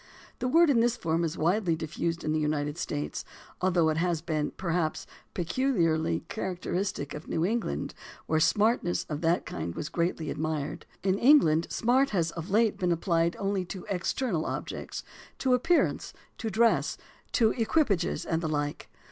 The word in this form is widely diffused in the United States, although it has been, perhaps, peculiarly characteristic of New England, where "smartness" of that kind was greatly admired. In England "smart" has of late been applied only to external objects, to appearance, to dress, to equipages, and the like.